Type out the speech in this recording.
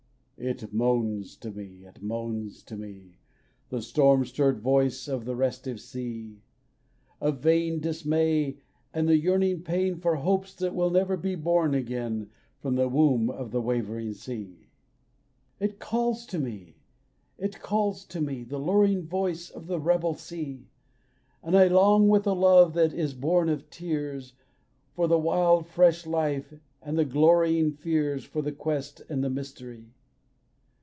It moans to me, it moans to me! The storm stirred voice of the restive sea! Of the vain dismay and the yearning pain For hopes that will never be born again From the womb of the wavering sea. It calls to me, it calls to me, The luring voice of the rebel sea! And I long with a love that is born of tears For the wild fresh life, and the glorying fears, For the quest and the mystery.